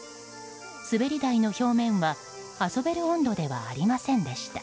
滑り台の表面は遊べる温度ではありませんでした。